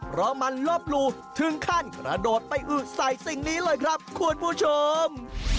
เพราะมันลบหลู่ถึงขั้นกระโดดไปอืดใส่สิ่งนี้เลยครับคุณผู้ชม